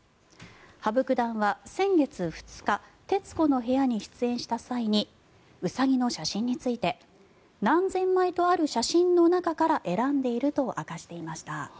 羽生九段は先月２日「徹子の部屋」に出演した際にウサギの写真について何千枚とある写真の中から選んでいると明かしていました。